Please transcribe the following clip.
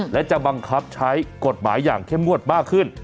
และจะบังคับใช้กฎหมายอย่างเข้มงวดมากขึ้น